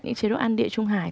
những chế độ ăn địa trung hải